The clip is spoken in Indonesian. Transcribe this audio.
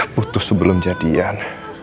putus sebelum jadian